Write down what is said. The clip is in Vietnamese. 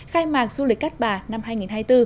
khai mạc du lịch cát bà năm hai nghìn hai mươi bốn